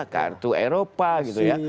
kartu eropa gitu ya